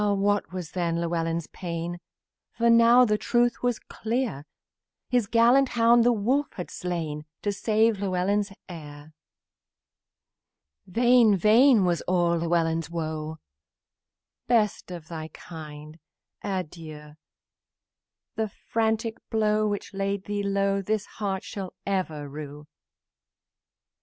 What was then Llewellyn's pain! For now the truth was clear: The gallant hound the wolf had slain To save Llewellyn's heir. Vain, vain was all Llewellyn's woe; "Best of thy kind, adieu! The frantic deed which laid thee low This heart shall ever rue!"